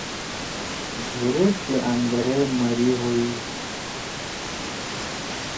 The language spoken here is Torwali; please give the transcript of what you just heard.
گھیریڈ سی آندرے مَری ہوئی۔